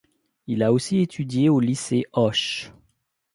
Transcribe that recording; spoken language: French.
Il a aussi étudié au lycée Hoche.